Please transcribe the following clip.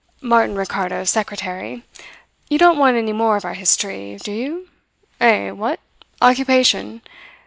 "Martin Ricardo, secretary. You don't want any more of our history, do you? Eh, what? Occupation?